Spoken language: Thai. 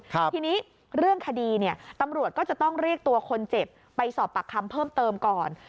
ทีนี้เรื่องคดีเนี่ยตำรวจก็จะต้องเรียกตัวคนเจ็บไปสอบปากคำเพิ่มเติมก่อน